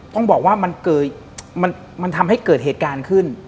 ต้องบอกว่ามันทำให้เกิดเหตุการณ์ขึ้น